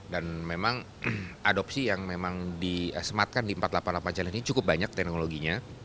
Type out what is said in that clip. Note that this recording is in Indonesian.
dan memang adopsi yang memang di esmatkan di empat ratus delapan puluh delapan challenge ini cukup banyak teknologinya